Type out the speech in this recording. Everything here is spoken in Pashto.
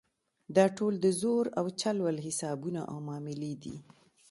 دا ټول د زور او چل ول حسابونه او معاملې دي.